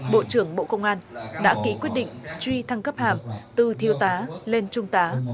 bộ trưởng bộ công an đã ký quyết định truy thăng cấp hàm từ thiêu tá lên trung tá